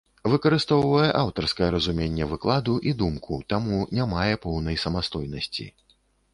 Выкарыстоўвае аўтарскае разуменне выкладу і думку, таму не мае поўнай самастойнасці.